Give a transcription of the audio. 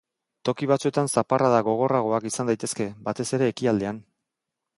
Toki batzuetan zaparrada gogorragoak izan daitezke, batez ere ekialdean.